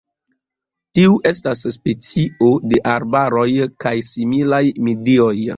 Tiu estas specio de arbaroj kaj similaj medioj.